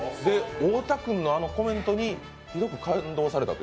太田君のあのコメントにすごく感動されたと？